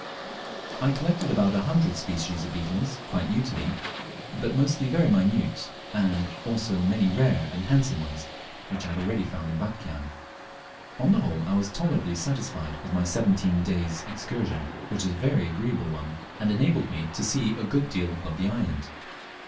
I collected about a hundred species of beetles quite new to me, but mostly very minute, and also many rare and handsome ones which I had already found in Batchian. On the whole I was tolerably satisfied with my seventeen days' excursion, which was a very agreeable one, and enabled me to sea a good deal of the island.